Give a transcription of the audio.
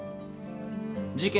事件